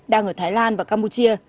đang ở thái lan và campuchia